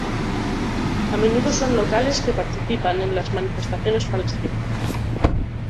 A menudo son locales que participan en las manifestaciones palestinas.